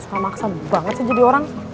suka maksa banget sih jadi orang